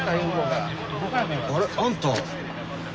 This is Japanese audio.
あれ？あんた。